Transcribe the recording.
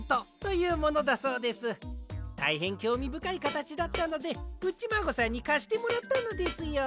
たいへんきょうみぶかいかたちだったのでプッチマーゴさんにかしてもらったのですよ。